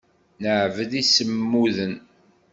Neɛbed imsemmuden.